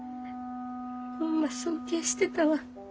ホンマ尊敬してたわ。